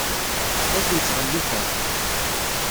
Ur ten-ttɣelliteɣ.